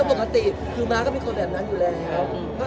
ไม่โกรธฟะแล้วปกติถึงมาก็มีคนแบบนั้นอยู่แหละครับ